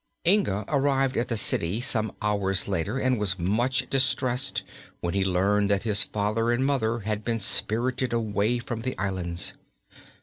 Inga arrived at the city some hours later and was much distressed when he learned that his father and mother had been spirited away from the islands.